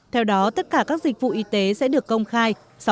theo đó tất cả các dịch vụ y tế sẽ được công khai